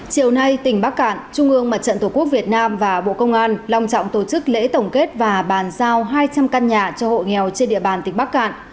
chiều nay tỉnh bắc cạn trung ương mặt trận tổ quốc việt nam và bộ công an long trọng tổ chức lễ tổng kết và bàn giao hai trăm linh căn nhà cho hộ nghèo trên địa bàn tỉnh bắc cạn